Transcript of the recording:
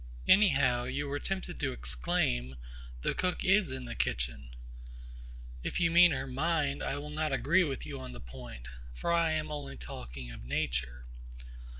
Anyhow you are tempted to exclaim, the cook is in the kitchen. If you mean her mind, I will not agree with you on the point; for I am only talking of nature.